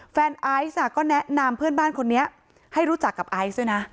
ไอซ์ก็แนะนำเพื่อนบ้านคนนี้ให้รู้จักกับไอซ์ด้วยนะ